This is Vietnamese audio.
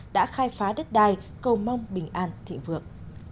đã khai phá đất đai cầu mong bình an thịnh vượng